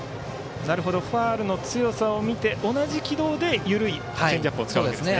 ファウルの強さを見て同じ軌道で緩いチェンジアップを使うんですね。